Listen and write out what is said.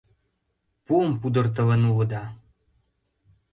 — Пуым пудыртылын улыда.